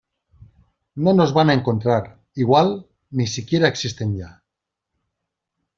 no nos van a encontrar. igual, ni si quiera existen ya .